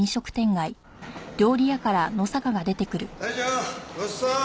大将ごちそうさん！